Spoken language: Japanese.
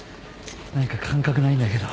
何か感覚ないんだけど。